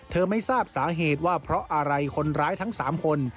ไม่ทราบสาเหตุว่าเพราะอะไรคนร้ายทั้ง๓คน